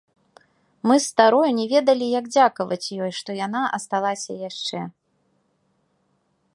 Мы з старою не ведалі, як дзякаваць ёй, што яна асталася яшчэ.